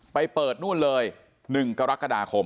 ไปเปิดนู่นเลย๑กรกฎาคม